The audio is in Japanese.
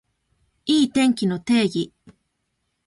いい天気の定義